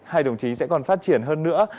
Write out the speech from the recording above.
hai đồng chí sẽ còn phát triển hơn nữa